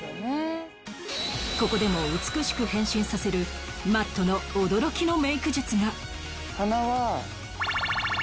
ここでも美しく変身させる Ｍａｔｔ の驚きのメイク術が